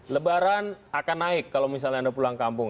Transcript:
lebaran akan naik kalau misalnya anda pulang kampung